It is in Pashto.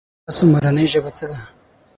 تاسو مورنۍ ژبه څه ده ؟